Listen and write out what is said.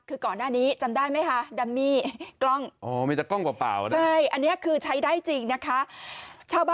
เออเยอะดีเยอะดีนะคะ